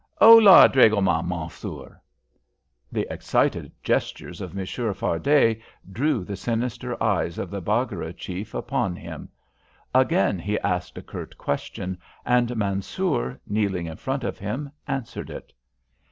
Hola, dragoman, Mansoor!" The excited gestures of Monsieur Fardet drew the sinister eyes of the Baggara chief upon him. Again he asked a curt question, and Mansoor, kneeling in front of him, answered it.